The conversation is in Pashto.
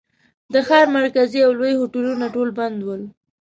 د ښار مرکزي او لوی هوټلونه ټول بند ول.